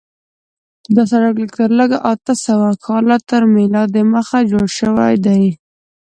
دا سړک لږ تر لږه اته سوه کاله تر میلاد دمخه جوړ شوی دی.